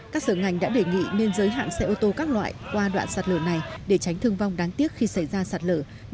các sở ngành đã đề nghị nên giới hạn xe ô tô các loại qua đoạn sạt lở này để tránh thương vong đáng tiếc khi xảy ra sạt lở nhất là đối với xe khách xe du lịch